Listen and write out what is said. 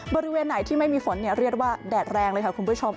บริเวณไหนที่ไม่มีฝนเรียกว่าแดดแรงเลยค่ะคุณผู้ชม